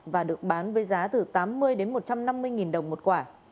và được bán với giá từ tám mươi đến một trăm năm mươi đồng một quả